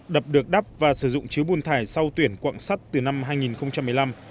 đập được đắp và sử dụng chứa bùn thải sau tuyển quặng sắt từ năm hai nghìn một mươi năm